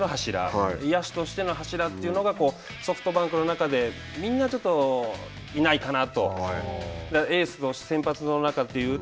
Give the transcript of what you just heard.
中継ぎ以降としてのピッチャーの柱野手としての柱というのがソフトバンクの中でみんな、ちょっといないかなと。